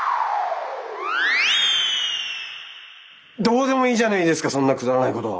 どうでもいいじゃないですかそんなくだらないこと。